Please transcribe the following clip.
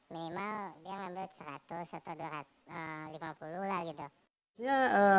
minimal dia ngambil seratus atau lima puluh lah gitu